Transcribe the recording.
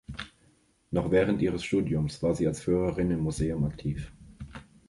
Noch während ihres Studiums war sie als Führerin im Museum aktiv.